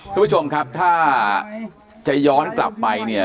คุณผู้ชมครับถ้าจะย้อนกลับไปเนี่ย